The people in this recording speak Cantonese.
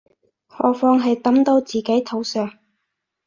何況係揼到自己頭上